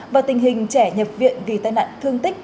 và tình hình trẻ nhập viện vì tai nạn thương tích